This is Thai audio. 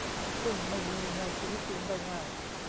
ซึ่งไม่มีในชีวิตจริงได้ง่าย